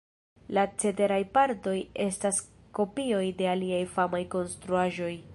La ceteraj partoj estas kopioj de aliaj famaj konstruaĵoj.